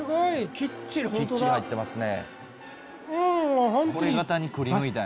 きっちり入ってますね。